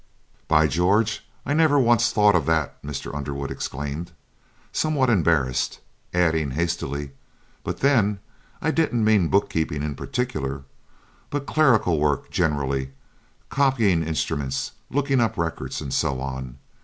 "By George! I never once thought of that!" Mr. Underwood exclaimed, somewhat embarrassed, adding, hastily, "but then, I didn't mean book keeping in particular, but clerical work generally; copying instruments, looking up records, and so on.